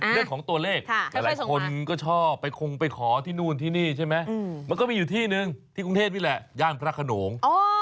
เรื่องของตัวเลขหลายคนก็ชอบไปคงไปขอที่นู่นที่นี่ใช่ไหมมันก็มีอยู่ที่นึงที่กรุงเทพนี่แหละย่านพระขนง